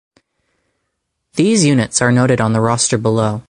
These units are noted on the roster below.